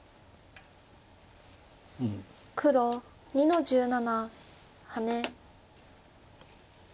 黒２の十七ハネ。